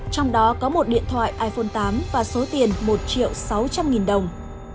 trong đó có một điện thoại iphone tám và số tiền một triệu sáu trăm linh nghìn đồng